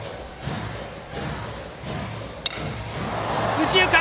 右中間！